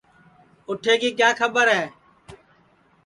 اوٹھے کی کیا کھٻر ہے